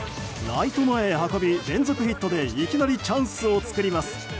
ライト前へ運び、連続ヒットでいきなりチャンスを作ります。